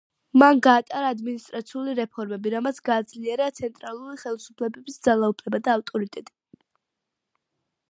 მან გაატარა ადმინისტრაციული რეფორმები, რამაც გააძლიერა ცენტრალური ხელისუფლების ძალაუფლება და ავტორიტეტი.